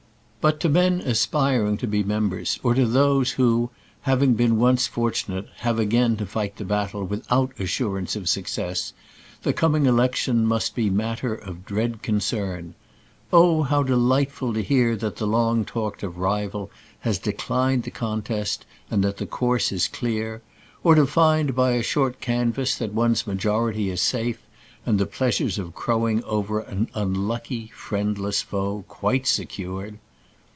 But to men aspiring to be members, or to those who having been once fortunate have again to fight the battle without assurance of success, the coming election must be matter of dread concern. Oh, how delightful to hear that the long talked of rival has declined the contest, and that the course is clear! or to find by a short canvass that one's majority is safe, and the pleasures of crowing over an unlucky, friendless foe quite secured!